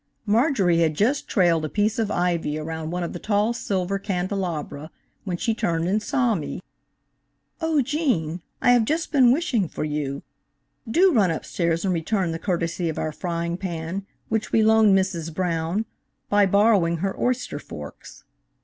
Marjorie had just trailed a piece of ivy around one of the tall silver candelabra, when she turned and saw me. "Oh, Gene, I have just been wishing for you. Do run upstairs and return the courtesy of our frying pan, which we loaned Mrs. Brown, by borrowing her oyster forks."